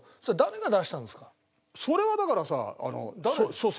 それはだからさあの。